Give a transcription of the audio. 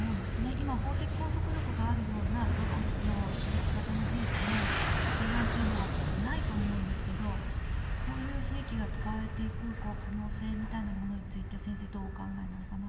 今、法的拘束力があるような自立型の兵器の規範というのはないと思うんですがそういう兵器が使われていく可能性みたいなものについて先生はどうお考えなのかなと。